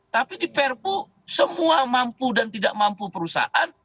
tapi di perpu semua mampu dan tidak mampu perusahaan